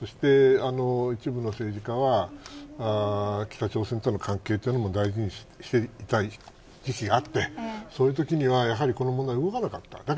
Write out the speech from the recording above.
一部の政治家は北朝鮮との関係も大事にしていきたい趣旨があってそういうときにはやはりこの問題を動かなかったんです。